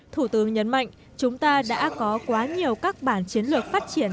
thủ tướng nhấn mạnh chúng ta đã có quá nhiều các bản chiến lược phát triển